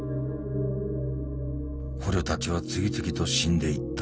捕虜たちは次々と死んでいった。